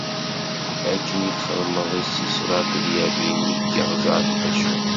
Akken i txedmeḍ i Sisra akked Yabin deg yiɣzer n Qicun.